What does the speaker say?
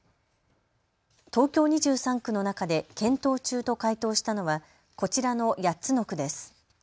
東京２３区の中で検討中と回答したのはこちらの８つの区です。